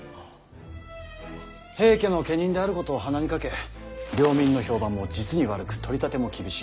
平家の家人であることを鼻にかけ領民の評判も実に悪く取り立ても厳しい。